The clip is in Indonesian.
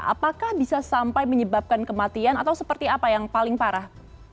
apakah bisa sampai menyebabkan kematian atau seperti apa yang paling parah